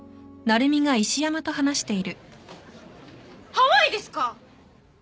ハワイですか！？